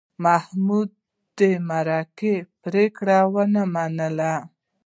محمود د مرکې پرېکړه ونه منله.